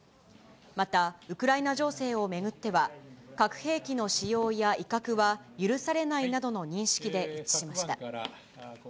また、ウクライナ情勢を巡っては、核兵器の使用や威嚇は許されないなどの認識で一致しました。